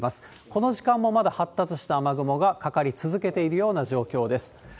この時間もまだ発達した雨雲がかかり続けているような状況です。